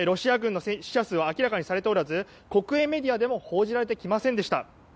戦死者は明らかにされておらず国営メディアでも報じられてきませんでした。